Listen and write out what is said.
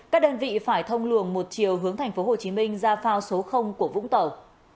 các đơn vị phải thông luồng một chiều hướng tp hcm ra phao số của vũng tàu